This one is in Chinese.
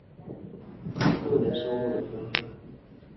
长刀光鱼的图片